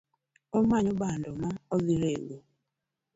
Omoyo bando ma odhi rego